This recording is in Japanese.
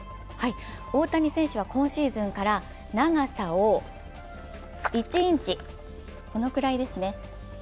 大谷選手は今シーズンから長さを１インチ、このくらいですね。